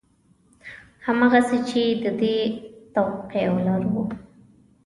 همغسې چې د دې توقع لرو